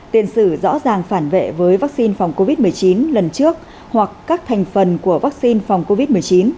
tiền sử rõ ràng phản vệ với vắc xin phòng covid một mươi chín lần trước hoặc các thành phần của vắc xin phòng covid một mươi chín